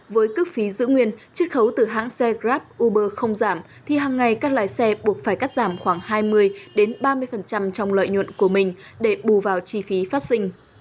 với cước phí giữ nguyên chất khấu từ hãng xe grab uber không giảm thì hằng ngày các lái xe buộc phải cắt giảm khoảng hai mươi ba mươi trong lợi nhuận của mình để bù vào chi phí phát sinh